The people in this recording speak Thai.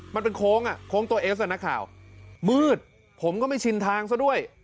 มันเป็นโค้งอ่ะโค้งตัวเอสอ่ะนักข่าวมืดผมก็ไม่ชินทางซะด้วย